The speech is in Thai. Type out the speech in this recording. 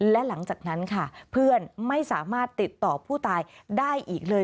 และหลังจากนั้นค่ะเพื่อนไม่สามารถติดต่อผู้ตายได้อีกเลย